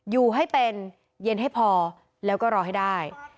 อยู่ให้เป็นเย็นให้พอแล้วก็รอให้ได้